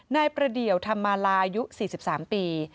ในประเดียวธรรมาลายุ๔๓ปี